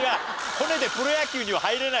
コネでプロ野球には入れないんですよ。